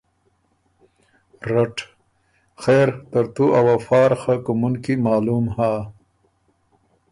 رټ: خېر ترتُو ا وفا ر خه کُومُن کی معلوم هۀ،